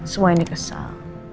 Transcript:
semua ini kesal